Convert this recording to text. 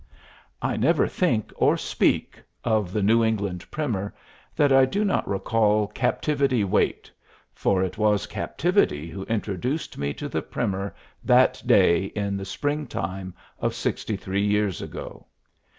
I never think or speak of the "New England Primer" that I do not recall Captivity Waite, for it was Captivity who introduced me to the Primer that day in the springtime of sixty three years ago.